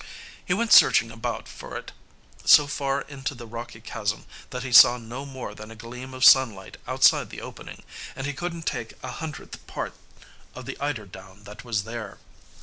He went searching about for it so far into the rocky chasm that he saw no more than a gleam of sunlight outside the opening, and he couldn't take a hundreth part of the eider down that was there.